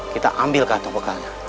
kita ambil kantong bekalnya